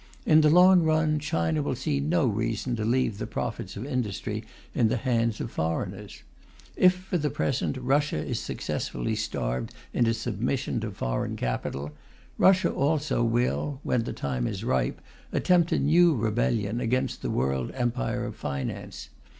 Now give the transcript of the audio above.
In the long run, China will see no reason to leave the profits of industry in the hands of foreigners. If, for the present, Russia is successfully starved into submission to foreign capital, Russia also will, when the time is ripe, attempt a new rebellion against the world empire of finance.